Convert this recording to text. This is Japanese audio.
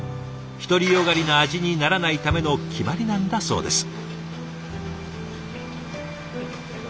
独り善がりな味にならないための決まりなんだそうです。